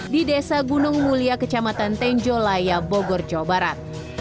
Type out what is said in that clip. di desa gunung mulia kecamatan tenjolaya bogor jawa barat